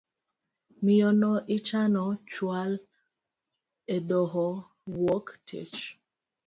Miyono ichano chual edoho wuok tich.